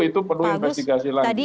itu perlu investigasi lagi pak agus tadi